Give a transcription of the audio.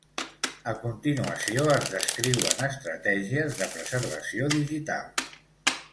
A continuació es descriuen estratègies de preservació digital.